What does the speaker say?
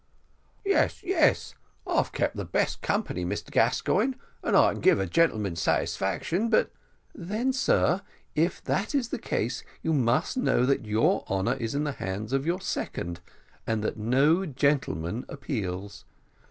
"Yes, yes, I've kept the best company, Mr Gascoigne, and I can give a gentleman satisfaction; but " "Then, sir, if that is the case, you must know that your honour is in the hands of your second, and that no gentleman appeals."